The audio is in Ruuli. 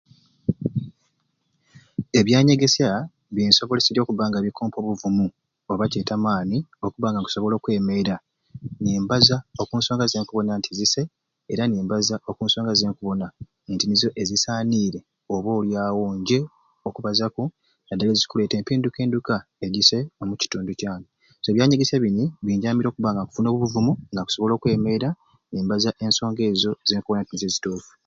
Ebyanyegesya binsobolesrye okuba nga bikumpa obuvumu oba kyete amani okuba nga nkusobola okwemera nembaza okunsonga zenkubona nti zisyai era nembaza okunsonga zenkubons nti nizo ezisanire oba olyawo nje okubazako nadala ezikuleta epindukanduka egyisyai omukitundu kyange so ebyanyegesya bini kunyambire okuba nga nkufuna obuvumu nga nkusobola okwemera nembaza nsonga ezo zenkubona nti nizo ezitufu.